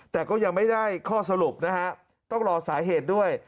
แต่ก็ยังไม่ได้ข้อสรุปนะฮะต้องรอสาเหตุด้วย